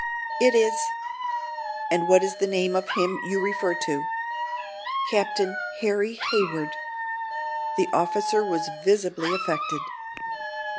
"It is." "And what is the name of him you refer to?" "Captain HARRY HAYWARD!" The officer was visibly affected.